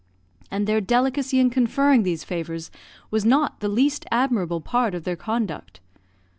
And their delicacy in conferring these favours was not the least admirable part of their conduct.